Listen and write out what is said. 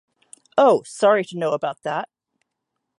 Oh! Sorry to know about that.